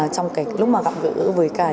trong cái lúc mà gặp gỡ với cả những cái